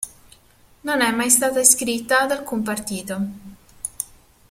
Non è mai stata iscritta ad alcun partito.